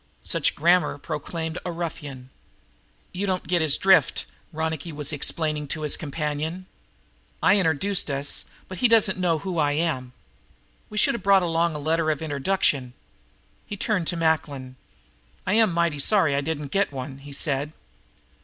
Such grammar proclaimed a ruffian. "You don't get his drift," Ronicky was explaining to his companion. "I introduced us, but he doesn't know who I am. We should have brought along a letter of introduction." He turned to Macklin. "I am mighty sorry I didn't get one," he said.